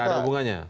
tidak ada hubungannya